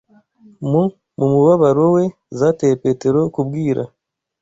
mu mubabaro we zateye Petero kubwira